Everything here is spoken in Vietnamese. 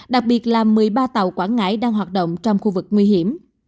đặc biệt là một mươi ba tàu quảng ngãi đang hoạt động trong khu vực nguy hiểm